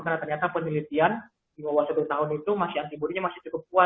karena ternyata penelitian di bawah satu tahun itu masih antibody nya masih cukup kuat